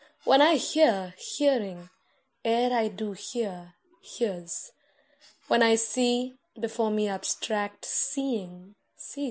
When I hear, Hearing, ere I do hear, hears. When I see, before me abstract Seeing sees.